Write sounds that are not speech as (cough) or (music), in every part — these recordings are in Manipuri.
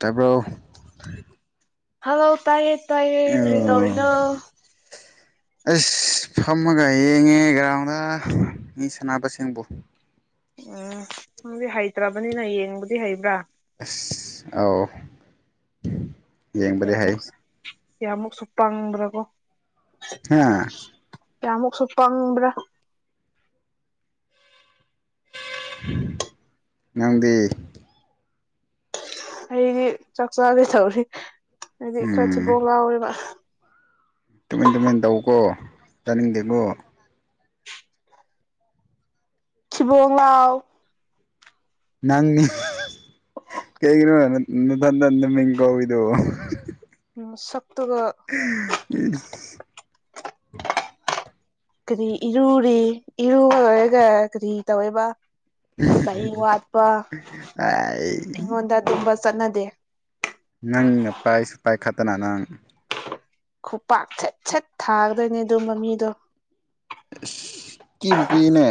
ꯇꯄ ꯍꯜꯂꯣ ꯇꯥꯏꯑꯌꯦ ꯇꯥꯏꯌꯦ ꯀꯔꯤ ꯇꯧꯔꯤꯅꯣ ꯑꯁ ꯐꯝꯃꯒ ꯌꯦꯡꯉꯦ ꯒ꯭ꯔꯥꯎꯟꯗ ꯃꯤ ꯁꯥꯟꯅꯕꯁꯤꯡꯕꯨ ꯎꯝꯪꯗꯤ ꯍꯩꯇ꯭ꯔꯕꯅꯤꯅ ꯌꯦꯡꯕꯗꯤ ꯍꯩꯕ꯭ꯔꯥ ꯑꯁ ꯑꯥꯎ ꯌꯦꯡꯕꯗꯤ ꯍꯥꯏ ꯀꯃꯨꯛ ꯁꯨ ꯄꯥꯡꯕ꯭ꯔꯒꯣ ꯍꯥ ꯀꯌꯥꯃꯨꯛꯁꯨ ꯀꯪꯕ꯭ꯔꯥ ꯇ‌ꯦꯡ ꯅꯪꯗꯤ ꯑꯩꯒꯤ ꯆꯥꯛ ꯆꯥꯒꯦ ꯇꯧꯔꯤ ꯑꯩꯗꯤ ꯈꯔ ꯎꯝ ꯊꯤꯕꯣꯛ ꯂꯥꯎꯦꯕ ꯇꯨꯃꯤꯟ ꯇꯨꯃꯤꯟ ꯇꯧꯀꯣ ꯇꯥꯅꯤꯡꯗꯦꯀꯣ ꯊꯤꯕꯣꯡꯂꯎ ꯅꯪꯅꯤ ꯍꯥ-ꯍꯥ ꯀꯩꯒꯅꫭ ꯅ ꯇꯟꯟ ꯃꯤꯡ ꯀꯧꯔꯤꯕꯨꯕꫭ ꯃꯁꯛ ꯀꯥ - ꯏꯁ ꯀꯔꯤ ꯏꯔꯨꯔꯤ ꯏꯔꯨꯔꯒ ꯀꯔꯤ ꯇꯧꯋꯦꯕ ꯆꯍꯤ ꯋꯥꯠꯄ ꯑꯥꯏ ꯑꯩꯉꯣꯟꯗ ꯑꯗꯨꯝꯕ ꯆꯠꯅꯗꯦ ꯅꯪꯅ ꯄꯥꯁꯁꯨ ꯄꯥꯏꯈꯠꯇꯅ ꯅꯪ ꯈꯨꯄꯥꯛ ꯁꯦꯠ ꯁꯦꯠ ꯊꯥꯒꯗꯣꯏꯅꯦ ꯑꯗꯨꯝ ꯃꯃꯤꯗꯣ ꯀꯤꯕꯨꯀꯤꯅꯦ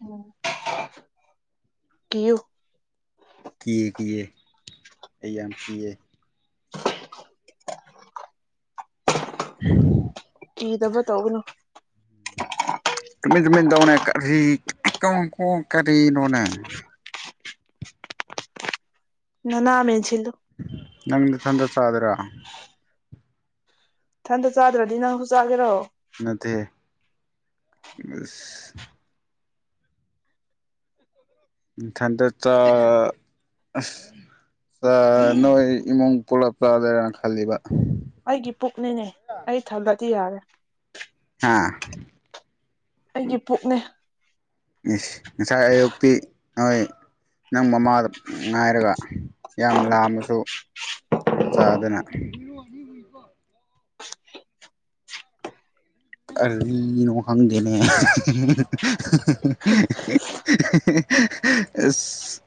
ꯎꯝ ꯀꯤꯌꯨ ꯀꯤ ꯀꯤꯌ‌ꯦ ꯑꯩ ꯌꯥꯝ ꯀꯤꯌ‌ꯦ ꯊꯥꯡ ꯀꯤꯗꯕ ꯇꯧꯒꯅꯣ ꯇꯨꯃꯤꯟ ꯇꯧꯃꯤꯟ ꯇꯧꯑꫭꯅ‌ꯦ ꯀꯔꯤ ꯀꯣꯡ ꯀꯣꯡ ꯀꯔꯤꯅꯅꯅꯦ ꯅꯅꯥ ꯃꯦꯟꯁꯟꯂꯨ ꯅꯪ ꯅꯊꯟꯗ ꯆꯥꯗꫭꯏꯔ ꯊꯟꯗ ꯆꯥꯗ꯭ꯔꯗꯤ ꯅꯪꯁꯨ ꯆꯥꯒꯦꯔꯣ ꯅꯠꯇꯦ ꯑꯁ ꯅꯊꯟꯗ ꯆꯥ ꯑꯁ ꯆꯥꯛ ꯅꯣꯏ ꯏꯃꯨꯡ ꯄꯨꯂꯞ ꯆꯥꯗꫭꯏꯔꯥꯅ ꯈꯜꯂꯤꯕ ꯑꯩꯒꯤ ꯄꯨꯛꯅꯤꯅꯦ ꯑꯩ ꯊꯜꯂꯗꯤ ꯌꯥꯔꯦ ꯑꯥꯡ ꯑꯩꯒꯤ ꯄꯨꯛꯅꯦ ꯏꯁ ꯉꯁꯥꯏ ꯑꯌꯨꯛꯇꯤ ꯅꯣꯏ ꯅꯪ ꯃꯃꯥꯗ ꯉꯥꯏꯔꯒ ꯌꯥꯝ ꯂꯥꯝꯃꯁꯨ ꯆꯥꯗꯅ ꯀꯔꯤꯅꫭ ꯈꯪꯗ‌ꯦꯅ‌ꯦ (unintelligible) ꯑꯁ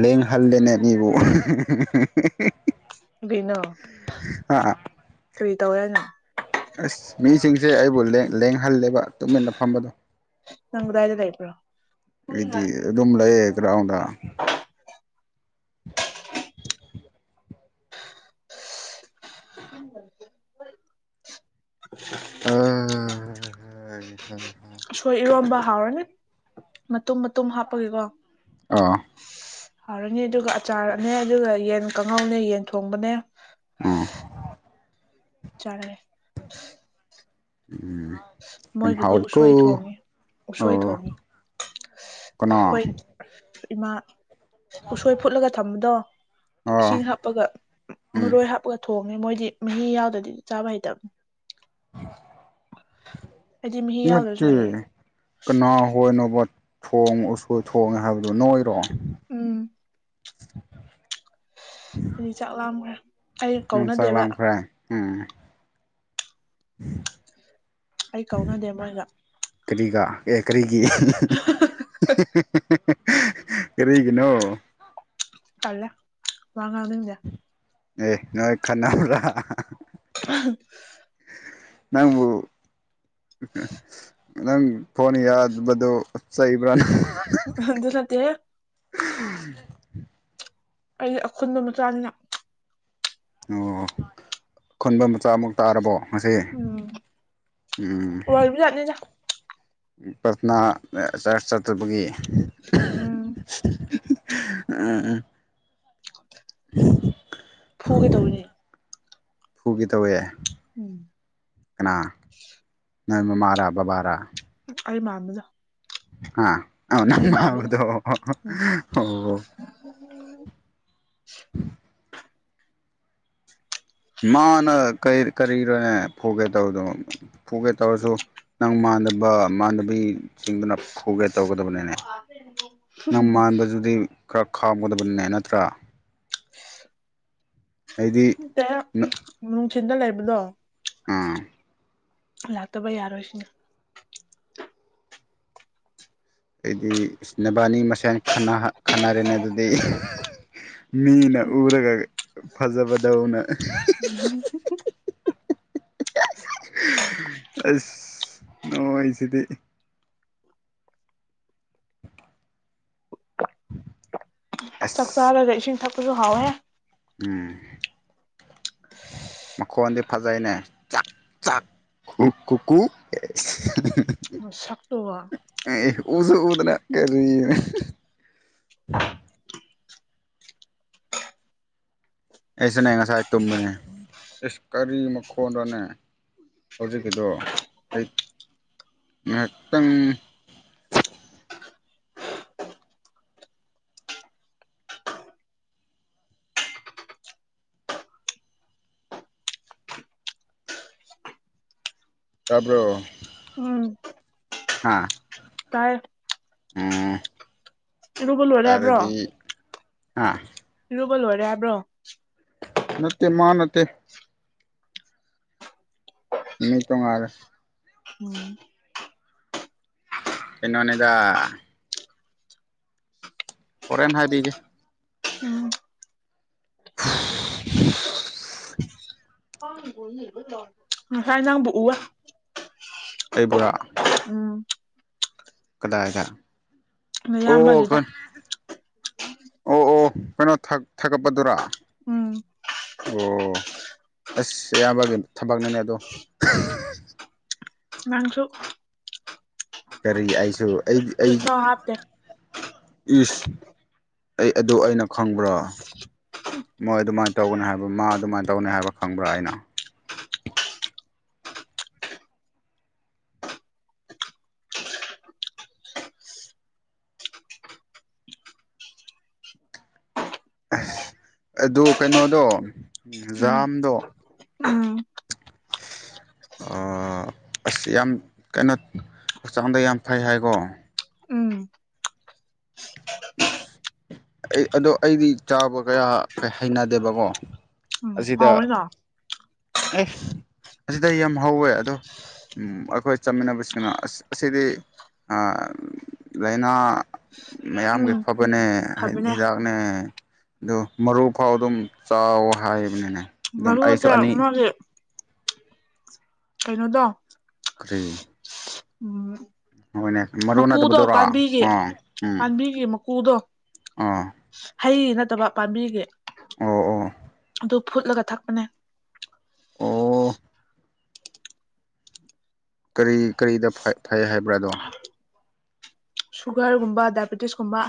ꯂꯦꯡ ꯍꯜꯂ‌ꯦꯅꯦ ꯑꯩꯕꯨ ꯀꯩꯅꯣ ꯑꯥ ꯀꯔꯤ ꯇꯧꯔꯤꯅꫭ ꯑꯁ ꯃꯤꯁꯤꯡꯁꯦ ꯑꯩꯕꯨ ꯂ‌ꯦꯡ ꯂꯦꯡꯍꯜꯂꯦꯕ ꯇꯨꯃꯤꯟꯅ ꯐꯝꯕꯗꯣ ꯅꯪ ꯀꯗꯥꯏ ꯂꯩꯕꯔ‌ꯣ ꯏꯗꯤ ꯑꯗꯨꯝ ꯂꯩꯌ‌ꯦ ꯒꯔ꯭ꯥꯎꯟꯗ (unintelligible) (inaudible) ꯎꯝ (unintelligible) ꯑ-ꯑ-ꯑ (unintelligible) ꯑꯎꯁꯣꯏ ꯏꯔꯣꯝꯕ ꯍꯥꯎꯔꯅꯤ ꯃꯇꯨꯝ ꯃꯇꯨꯝ ꯍꯥꯞꯄꯒꯤꯀꯣ ꯑꯥ ꯁꯤ-ꯍꯥꯎꯔꯅꯤ ꯑꯗꯨꯒ ꯑꯆꯥꯔꯅꯦ ꯑꯗꯨꯒ ꯌꯦꯟ ꯀꯥꯡꯉꯧꯅꯦ ꯌꯦꯟ ꯊꯣꯡꯕꯅꯦ ꯎꯝ ꯆꯥꯔ‌ꯦ ꯎꯝ ꯌꯥꯝ ꯃꯣꯏꯒꯤꯗꯤ ꯍꯥꯎꯋꯤꯀꯣ ꯎꯁꯣꯏ ꯊꯣꯡꯉꯤ ꯎꯁꯣꯏ ꯑꯣ ꯊꯣꯡꯉꯤ ꯀꯅꯥ ꯍꯣꯏ ꯏꯃꯥ ꯎꯁꯣꯏ ꯐꯨꯠꯂꯒ ꯊꯝꯕꯗꯣ ꯑꯥ ꯏꯁꯤꯡ ꯍꯥꯞꯄꯒ ꯎꯝ ꯃꯔꯣꯏ ꯍꯥꯞꯄꯒ ꯊꯣꯡ ꯃꯣꯏꯗꯤ ꯃꯍꯤ ꯌꯥꯎꯗ꯭ꯔꯗꯤ ꯆꯥꯕ ꯍꯩꯇꯝ ꯍ (inaudible) ꯑꯩꯗꯤ ꯃꯍꯤ ꯌꯥꯎꯗ꯭ꯔꯁꯨ ꯅꯠꯇ‌ꯦ ꯍꯩꯌꯦ ꯀꯅꯥ ꯍꯣꯏꯅ‌ꯣꯕ ꯊꯣꯡ ꯎꯁ‌ꯣꯏ ꯊꯣꯡꯉꯦ ꯍꯥꯏꯕꯗꯨꯣ ꯅꯣꯏꯔ‌ꯣ ꯎꯝ (inaudible) ꯁꯤꯗꯤ ꯆꯥꯛ ꯂꯥꯝꯈ꯭ꯔꯦ ꯑꯩ ꯅꯪ ꯆꯥꯛ ꯀꯧꯅꯗꯦꯕ ꯂꯥꯝꯈ꯭ꯔꯦ ꯎꯝ ꯎꯝ ꯑꯩ ꯀꯧꯅꯗꯦ ꯃꯣꯏꯒ ꯀꯔꯤꯒ ꯀꯔꯤꯒꯤ ꯀꯔꯤꯒꯤꯅꯣ ꯇꯂꯦ ꯋꯥ ꯉꯥꯡꯅꯤꯡꯗ‌ꯦ ꯑꯦ ꯅꯣꯏ ꯈꯟꯅꯕ꯭ꯔꯥ ꯅꯪꯕꯨ ꯅꯪ ꯐꯣꯟ ꯌꯥꯗꯕꯗꯨ ꯆꯩꯕ꯭ꯔꯥꯅ ꯍ ꯑꯗꯨ ꯅꯠꯇꯦꯍ‌ꯦ ꯑꯩ ꯑꯈꯨꯟꯕ ꯃꯆꯥꯅꯤꯅ ꯑꯣ ꯈꯨꯟꯕ ꯃꯆꯥ ꯃꯨꯛ ꯇꯥꯔꯕꯣ ꯃꯁꯦ ꯎꯝ ꯎꯝ ꯑꯣꯏꯕꯖꯥꯠꯅꯤꯗ ꯄ꯭ꯔꯊꯅꯥ ꯆꯔꯁ ꯆꯠꯇꯕꯒꯤ ꯎꯝ ꯎꯝ ꯎꯝ (inaudible) ꯐꯨꯒꯦ ꯇꯧꯔꯤꯅꯦ ꯐꯨꯒ‌ꯦ ꯇꯧꯋꯦ ꯎꯝ ꯀꯅꯥ ꯅꯪ ꯃꯃꯥꯔꯥ ꯕꯕꯥꯥꯔꯥ ꯑꯩ ꯃꯥꯥꯟꯕꯖ ꯑ ꯑꯣ ꯅꯡ ꯃꯟꯕꯗꯤ ꯑꯣ (unintelligible) ꯃꯥꯅ ꯀꯔꯤꯔꯣꯅꯦ ꯐꯨꯒꯦ ꯇꯧꯕꯗꯣ ꯐꯨꯒꯦ ꯇꯧꯔꯁꯨ ꯅꯪ ꯃꯥꯟꯅꯕ ꯃꯥꯟꯅꯕꯤꯁꯤꯡꯗꯨꯅ ꯐꯨꯒꯦ ꯇꯧꯒꯗꯕꯅꯤꯅꯦ ꯅꯪ ꯃꯥꯟꯕꯗꯨꯗꯤ ꯈꯔ ꯈꯥꯎꯒꯗꯕꯅꯤꯅꯦ ꯅꯠꯇ꯭ꯔꯥ ꯑꯩꯗꯤ ꯅꯨꯡꯊꯤꯟꯗ ꯂꯩꯕꯗꯣ ꯑꯥ ꯂꯥꯛꯇꯕ ꯌꯥꯔꯣꯏꯁꯤꯅꯦ ꯑꯩꯗꯤ ꯅꯕꯥꯅꯤ ꯃꯁꯦꯟ ꯈꯟꯅꯔꯦꯅꯦ ꯑꯗꯨꯗꯤ ꯃꯤꯅ ꯎꯝ ꯎꯔꯒ ꯐꯖꯕꯗꯧꯅ ꯎ (unintelligible) ꯑꯁ ꯅꯅꯨꯡ ꯑꯩꯁꯤꯗꯤ (inaudible) ꯆꯥꯛ ꯆꯥꯔꯒ ꯏꯁꯤꯡ ꯊꯛꯄꯁꯨ ꯍꯥꯎꯋꯦ ꯎꯝ ꯃꯈꯣꯟꯗꯤ ꯐꯖꯩꯅꯦ ꯆꯥꯛ ꯆꯥꯛ ꯀ ꯀꯨ ꯀꯨ ꯁꯞ ꯇ ꯋꯥ ꯎꯁꯨ ꯎꯗꯅ ꯀꯔꯤꯔꯤꯅꯦ ꯑꯩꯅꯦ ꯉꯁꯥꯏ ꯇꯨꯝꯕꯅꯦ ꯏꯁ ꯀꯔꯤ ꯃꯈꯣꯟꯅꯅꯦ ꯍꯧꯖꯤꯛꯀꯤꯗ ꯑꯩ ꯉꯛꯇꯪ ꯇꯕꯔꯣ ꯎꯝ ꯍꯥꯥ ꯇꯥꯏꯌꯦ ꯑꯝ ꯔꯨꯕ ꯂꯨꯍꯔꯦ ꯍꯥꯏꯕ꯭ꯔꯣ ꯑꯥ ꯨꯕ ꯂꯣꯏꯔꯦ ꯍꯥꯏꯕ꯭ꯔꯣ ꯅꯠꯇꯦ ꯃꯥ ꯅꯠꯇꯦ ꯅꯇꯣꯥ (unintelligible) ꯎꯝ ꯀꯩꯅꯣꯅꯤꯗ ꯍꯣꯔꯦꯟꯅ ꯍꯥꯏꯕꯦꯒ ꯎꯝ (unintelligible) ꯍꯥꯏꯥꯏ ꯅꯥꯡꯕꯣꯛꯎ ꯋꯥ ꯑꯩ ꯕꯨꯣꯔꯥ ꯎꯝ ꯀꯗꯥꯥꯏꯗ ꯑꯗ ꯅꯌꯥꯝꯕꯒꯤꯗ ꯑꯣ ꯑꯣ ꯀꯩꯅꯣ ꯊꯥꯒꯠꯄꯗꯨꯔꯥ ꯎꯝ ꯑꯣ ꯑꯁ ꯑꯌꯥꯝꯕꯒꯤ ꯊꯕꯛꯅꯅꯦ ꯑꯗꯣ ꯃꯥꯡꯁꯨ ꯀꯔꯤ ꯑꯩꯁꯨ ꯑꯩꯗꯤ ꯑꯩꯗꯤ ꯐꯨꯔꯤꯠꯐꯥꯎ ꯍꯥꯞꯇꯦ ꯏꯁꯁ ꯑꯩ ꯑꯗꯨ ꯑꯩꯅ ꯈꯪꯕ꯭ꯔꯣ ꯃꯣꯏ ꯑꯗꯨꯃꯥꯏꯅ ꯇꯧꯒꯅꯤ ꯍꯥꯏꯕ ꯃꯥ ꯑꯗꯨꯃꯥꯏꯅ ꯇꯧꯅꯤ ꯍꯥꯏꯕ ꯈꯪꯕ꯭ꯔꯥ ꯑꯩꯅ ꯑꯁ ꯑꯗꯨ ꯀꯩꯅꯣꯗꯣ ꯎꯝ ꯖꯥꯝꯗꯣ ꯎꯝ (unintelligible) ꯑꯁ ꯌꯥꯝ ꯀꯩꯅꯣ ꯍꯛꯆꯥꯡꯗ ꯌꯥꯝ ꯐꯩ ꯍꯥꯏꯀꯣ ꯎꯝ ꯑꯁ ꯑꯩ ꯑꯗꯣ ꯑꯩꯗꯤ ꯆꯥꯕ ꯀꯌꯥ ꯍꯩꯅꯗꯦꯕꯀꯣ ꯎꯝ ꯑꯁꯤꯗ ꯍꯥꯎꯋꯤꯅ ꯑꯦ ꯑꯁꯤꯗ ꯌꯥꯝ ꯍꯧꯋꯦ ꯑꯗꯣ ꯑꯩꯈꯣꯏ ꯆꯠꯃꯤꯟꯅꯕꯁꯤꯡꯅ ꯑꯁꯤꯗꯤ ꯂꯥꯏꯅꯥ ꯃꯌꯥꯝꯒꯤ ꯎꯝ ꯐꯕꯅꯦꯗꯤ ꯐꯕꯅꯦ ꯍꯤꯗꯥꯛꯅꯦ ꯑꯗꯨ ꯃꯔꯨ ꯐꯥꯎ ꯑꯗꯨꯝ ꯆꯥꯎ ꯍꯥꯏꯕꯅꯤꯅꯦ ꯑꯗꯨꯝ ꯃꯔꯨ ꯑꯩꯁꯨ ꯑꯇ ꯑꯅꯤ ꯃꯥꯒꯤ ꯀꯩꯅꯣꯗꯣ ꯇꯔꯤ ꯎꯝ ꯃꯀꯨꯗꯣ ꯅꯠꯇꯕꯗꯨꯔꯣ ꯑꯣ ꯄꯥꯝꯕꯤꯒꯦ ꯄꯥꯕꯤꯒ ꯃꯀꯨꯗꯣ ꯑꯥ ꯍꯩ ꯅꯠꯇꯕ ꯄꯥꯝꯕꯤꯒꯤ ꯑꯣ ꯑꯣ ꯑꯗꯨ ꯐꯨꯠꯂꯒ ꯊꯛꯄꯅꯦ ꯑꯣ ꯀꯔꯤ ꯀꯔꯤꯗ ꯐꯩ ꯍꯥꯏꯕ꯭ꯔꯥꯗꯣ ꯁꯨꯒꯔꯒꯨꯝꯕ ꯗꯥꯏꯕꯦꯇꯤꯁꯀꯨꯝꯕ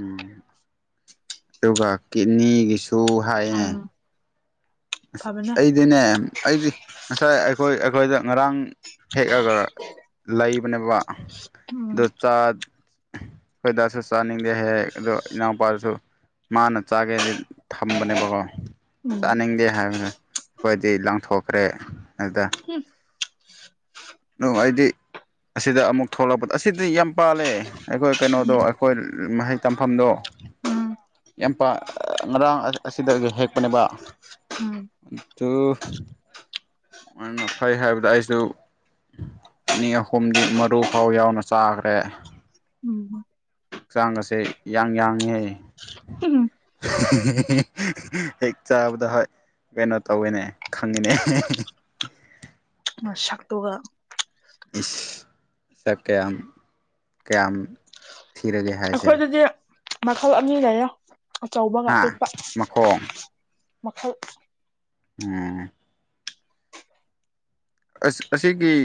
ꯎꯝ ꯑꯗꯨꯒ ꯀꯤꯠꯅꯤꯒꯤꯁꯨ ꯍꯥꯏꯌꯦ ꯎꯝ ꯑꯁ ꯐꯕꯅꯦ ꯑꯩꯗꯤꯅꯦ ꯑꯩꯗꯤ ꯉꯁꯥꯏ ꯑꯩꯈꯣꯏ ꯑꯩꯈꯣꯏꯗ ꯉꯔꯥꯡ ꯍꯦꯛꯑꯒ ꯂꯩꯕꯅꯦꯕ ꯎꯝ ꯑꯗꯨ ꯍꯣꯏꯗꯁꯨ ꯆꯥꯅꯤꯡꯗꯦ ꯍꯦꯛ ꯑꯗꯣ ꯏꯅꯥꯎꯄꯥꯗꯨꯁꯨ ꯃꯥꯅ ꯆꯥꯒꯦꯗꯤ ꯊꯝꯕꯅꯦꯕꯀꯣ ꯎꯝ ꯆꯥꯅꯤꯡꯗꯦ ꯍꯥꯏꯕꯗ ꯑꯩꯈꯣꯏꯗꯤ ꯂꯪꯊꯣꯛꯈ꯭ꯔꯦ ꯑꯗꯨꯗ ꯅꯨꯡꯉꯥꯏꯗꯤ ꯑꯁꯤꯗ ꯑꯃꯨꯛ ꯊꯣꯛꯂꯛꯄꯗ ꯑꯁꯤꯗꯤ ꯌꯥꯝ ꯄꯥꯜꯂꯦ ꯑꯩꯈꯣꯏ ꯀꯩꯅꯣꯗꯣ ꯎꯝ ꯑꯩꯈꯣꯏ ꯃꯍꯩ ꯇꯝꯐꯝꯗꯣ ꯎꯝ ꯌꯥꯝ ꯉꯔꯥꯡ ꯑꯁꯤꯗ ꯍꯦꯛꯄꯅꯦꯅꯕ ꯎꯝ ꯑꯗꯨ ꯃꯥꯅ ꯐꯩ ꯍꯥꯏꯕꯗ ꯑꯩꯁꯨ ꯑꯅꯤ ꯑꯍꯨꯝꯗꯤ ꯃꯔꯨ ꯐꯥꯎ ꯌꯥꯎꯅ ꯆꯥꯈ꯭ꯔꯦ ꯎꯝ ꯍꯛꯆꯥꯡ ꯑꯁꯦ ꯌꯥꯡ ꯌꯥꯡꯉꯦ ꯎꯝ ꯍꯦꯛ ꯆꯥꯕꯗ ꯍꯣꯏ ꯀꯩꯅꯣ ꯇꯧꯋꯤꯅꯦ ꯈꯪꯉꯤꯅꯦ ꯑ ꯁꯛꯇ ꯇꯣꯒ ꯁ ꯀꯦꯝꯝ ꯀꯌꯥꯝꯝ ꯊꯤꯔꯒꯦ ꯍꯥꯏꯁꯦ ꯑꯩꯈꯣꯏꯗꯗꯤ ꯃꯈꯜ ꯑꯅꯤ ꯂꯩꯌꯦ ꯑꯆꯧꯕꯒ ꯍꯥ ꯑꯄꯤꯛꯄ ꯃꯈꯣꯡ ꯃꯈꯜ ꯎꯝ ꯑꯁ ꯑꯁꯤꯒꯤ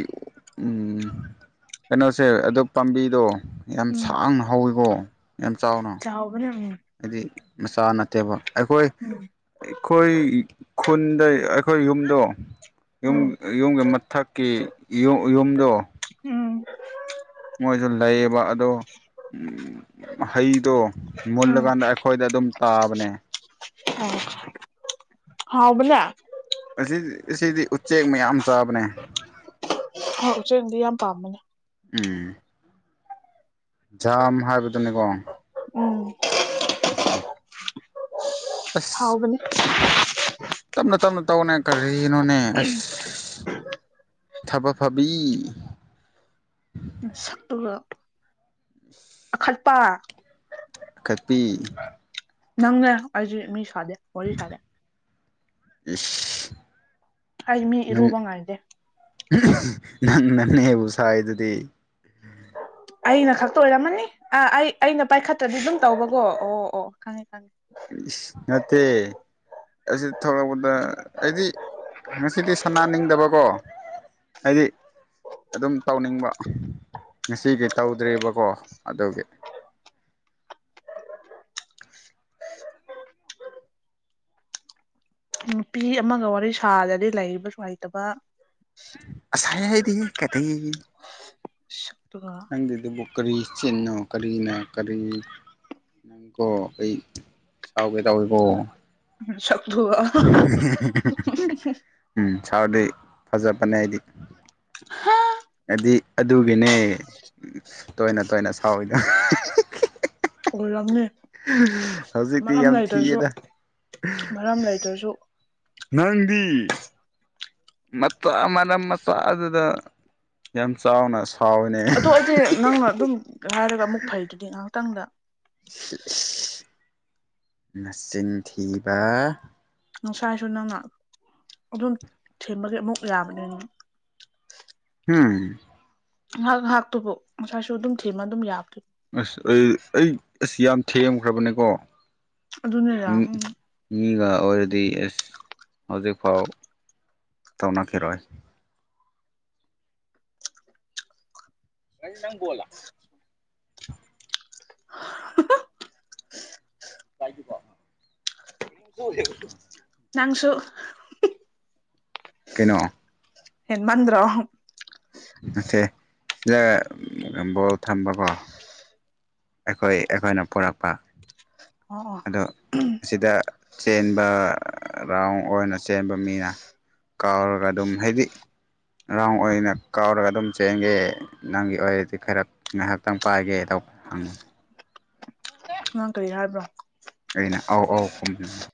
ꯀꯩꯅꯣꯁꯦ ꯑ ꯄꯥꯝꯕꯤꯗꯣ ꯌꯥꯝ ꯁꯥꯡꯅ ꯍꯧꯥꯎꯋꯤꯕꯣ ꯆꯍꯕꯅ ꯍꯥꯏꯗꯤ ꯃꯆꯥ ꯅꯠꯇꯦꯕ ꯑꯩꯈꯣꯏ ꯎꯝ ꯑꯩꯈꯣꯏ ꯈꯨꯟꯗ ꯑꯩꯈꯣꯏ ꯌꯨꯝꯗꯣ ꯌꯨꯝ ꯎꯝ ꯌꯨꯝꯒꯤ ꯃꯊꯛꯀꯤ ꯌꯨꯝꯗꯣ ꯎꯝ ꯃꯣꯏꯁꯨ ꯂꯩꯌꯦꯕ ꯑꯗꯣ ꯍꯩꯗꯣ ꯎꯝ ꯃꯨꯜꯂꯀꯥꯟꯗ ꯑꯩꯈꯣꯏꯗ ꯑꯗꯨꯝ ꯇꯥꯕꯅꯦ ꯑ ꯍꯥꯎꯕꯂ ꯑꯁꯤꯗꯤ ꯑꯁꯤꯗꯤ ꯎꯆꯦꯛ ꯃꯌꯥꯝ ꯆꯥꯕꯅꯦ ꯍ ꯆꯤꯟꯗꯤ ꯌꯥꯝ ꯄꯥꯝꯕꯅꯦ ꯎꯝ ꯖꯥꯝ ꯍꯥꯏꯕꯗꯨꯅꯤꯀꯣ ꯎꯝ ꯎ ꯍꯥꯎꯕꯅꯤ ꯇꯞꯅ ꯇꯞꯅ ꯇꯧꯅꯦ ꯀꯔꯤꯅꯣꯅꯦ ꯑꯁ ꯊꯕ ꯐꯥꯕꯤ ꯁꯛꯇꯨꯒ ꯑꯈꯠꯄ ꯀꯄꯤ ꯅꯪꯅ ꯍꯧꯖꯤ ꯃꯤ ꯁꯥꯗꯦ ꯋꯥꯔꯤ ꯁꯥꯗꯦ ꯏꯁ ꯀꯜꯃꯤ ꯅꯪ ꯔꯨꯕ ꯉꯥꯦ ꯅꯪ ꯅꯪꯅꯦꯕꯨ ꯁꯥꯏꯗꯨꯗꯤ ꯑꯩꯅ ꯈꯛꯇ ꯑꯣꯏꯔꯝꯃꯅꯤ ꯑ ꯑꯩ ꯑꯩꯅ ꯄꯥꯏꯈꯠꯇ꯭ꯔꯗꯤ ꯑꯗꯨꯝ ꯇꯧꯕꯀꯣ ꯑꯣ ꯑꯣ ꯈꯪꯉꯦ ꯈꯪꯉꯦ ꯅꯠꯇꯦ ꯑꯩ ꯊꯣꯛꯂꯛꯄꯗ ꯑꯩꯗꯤ ꯉꯁꯤꯗꯤ ꯁꯅꯥꯅꯤꯡꯗꯕꯀꯣ ꯍꯥꯏꯗꯤ ꯑꯗꯨꯝ ꯇꯧꯅꯤꯡꯕ ꯉꯁꯤꯒꯤ ꯇꯧꯗ꯭ꯔꯤꯕꯀꯣ ꯑꯗꯨꯒꯤ (inaudible) ꯅꯨꯄꯤ ꯑꯃꯒ ꯋꯥꯔꯤ ꯁꯥꯗꯗꯤ ꯂꯩꯔꯤꯕꯁꯨꯉꯥꯏꯇꯕ ꯁꯥꯏ ꯍꯥꯏꯥꯏꯗꯤ ꯀꯇ (inaudible) ꯅꯪꯒꯤꯗꯨꯕꯨ ꯀꯔꯤ ꯆꯤꯟꯅꯣ ꯀꯔꯤꯅꯣ ꯀꯔꯤ ꯅꯪꯒꯣ ꯑꯩꯩ ꯁꯥꯎꯒꯦ ꯇꯥꯎꯋꯦꯕꯣ ꯁꯛꯇꯨꯒ ꯎꯝ ꯆꯥꯎꯥꯎꯗꯤ ꯐꯖꯕꯅꯦ ꯑꯩꯗꯤ ꯍꯥ ꯍꯥꯏꯗꯤ ꯑꯗꯨꯒꯤꯅꯦ ꯇꯣꯏꯅ ꯇꯣꯏꯅ ꯁꯥꯎꯏꯗ ꯑꯣꯏ ꯂꯝꯅꯦ ꯍꯧꯖꯤꯛꯇꯤ ꯌꯥꯝ ꯊꯤꯌꯦꯗ ꯃꯔꯝ ꯂꯩꯇ꯭ꯔꯁꯨ ꯅꯗꯤ ꯑꯃꯝ ꯃꯆꯥꯥꯛ ꯑꯗꯨꯗ ꯌꯥꯝ ꯆꯥꯎꯅꯁ ꯑꯗꯣ ꯑꯩꯗꯤꯦ ꯅꯪꯅ ꯑꯗꯨꯝ ꯍꯥꯏꯔꯒ ꯑꯃꯨꯛ ꯐꯩꯗꯨꯗꯤ ꯉꯥꯏꯍꯥꯛꯇꯪꯗ ꯃꯆꯤꯟꯊꯤꯕ ꯉꯁꯥꯏꯁꯨ ꯅꯪꯅ ꯑꯗꯨꯝ ꯊꯦꯝꯕꯒꯤ ꯑꯃꯨꯛ ꯌꯥꯕꯅꯤꯅ ꯎꯝ ꯉꯍꯥꯛ ꯉꯥꯏꯍꯥꯛꯇꯨꯕꯨ ꯉꯁꯥꯏꯁꯨ ꯑꯗꯨꯝ ꯊꯤꯃ ꯑꯗꯨꯝ ꯌꯥꯕꯗꯣꯏꯕ ꯑꯁ ꯑꯩ ꯑꯩ ꯑꯁ ꯌꯥꯝ ꯊꯦꯝꯈ꯭ꯔꯕꯅꯦꯀꯣ ꯑꯗꯨꯅ ꯌꯥ ꯎꯝ ꯃꯤꯒ ꯑꯣꯏꯔꯗꯤ ꯑꯦꯁ ꯍꯧꯖꯤꯛꯐꯥꯎ ꯇꯧꯅꯈꯤꯔꯣꯏ ꯔ ꯅꯪꯕꯣꯂ ꯀꯥꯏꯀꯁꯨ ꯅꯥꯡꯁꯨ ꯀꯩꯅꯣ ꯌꯦ ꯃꯟꯔꯣ ꯅꯠꯇꯦ ꯁꯤꯗ ꯕꯣꯜ ꯊꯝꯕꯀꯣ ꯑꯩꯈꯣꯏ ꯑꯩꯈꯣꯏꯅ ꯄꯨꯔꯛꯄ ꯍ ꯑꯗꯣ ꯑꯁꯤꯗ ꯆꯦꯟꯕ ꯔꯥꯎꯟ ꯑꯣꯏꯅ ꯆꯦꯟꯕ ꯃꯤꯅ ꯀꯥꯎꯔꯒ ꯑꯗꯨꯝ ꯍꯥꯏꯗꯤ ꯔꯥꯎ ꯑꯣꯏꯅ ꯀꯥꯎꯔꯒ ꯑꯗꯨꯝ ꯆꯦꯟꯒꯦ ꯅꯪꯒꯤ ꯑꯣꯏꯔꯗꯤ ꯈꯔ ꯉꯥꯏꯍꯥꯛꯇꯪ ꯄꯥꯏꯒꯦ ꯑ ꯅꯪ ꯀꯔꯤ ꯍꯥꯏꯕ꯭ꯔꯣ ꯑꯧ ꯑꯥꯎ ꯐꯣ